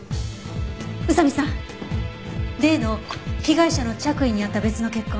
宇佐見さん例の被害者の着衣にあった別の血痕